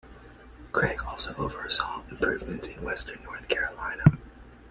Craig also oversaw improvements in western North Carolina.